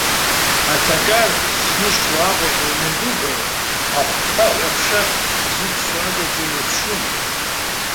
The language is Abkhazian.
Аҭакар зыншыло аҟәатәи амҩадуқәеи ахәхәаҳәа аԥша зықәсуа агаҿеи еиԥшума!